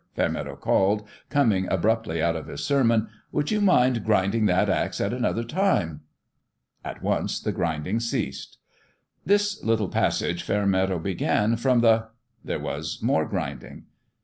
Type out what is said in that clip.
Fairmeadow called, com ing abruptly out of his sermon, " would you mind grinding that axe at another time ?" At once the grinding ceased. " This little passage," Fairmeadow began, " from the " There was more grinding.